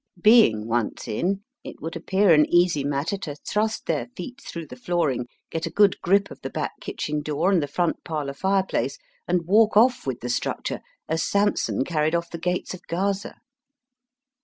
Being once in, it would appear an easy matter to thrust their feet through the flooring, get a good grip of the back kitchen door and the front parlour fireplace, and walk off with the structure, as Samson carried off the gates of Ga5:a.